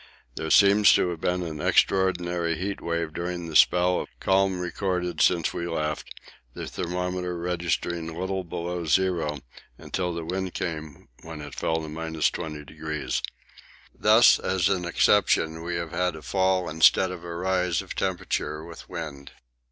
There seems to have been an extraordinary heat wave during the spell of calm recorded since we left the thermometer registering little below zero until the wind came, when it fell to 20°. Thus as an exception we have had a fall instead of a rise of temperature with wind.